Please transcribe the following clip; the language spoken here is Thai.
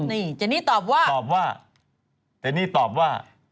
นี่เจนี่ตอบว่าเจนี่ตอบว่า